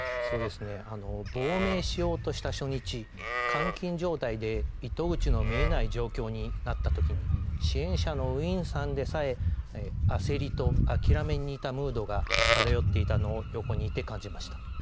亡命しようとした初日、監禁状態で糸口が見えない状況になったとき支援者のウィンさんでさえ、焦りと諦めに似たムードが漂っていたのを横にいて感じました。